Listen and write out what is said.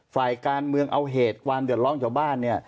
ฝ่ายการเมืองเอาเหตุความเดือดร้อนชาวบ้านเนี่ย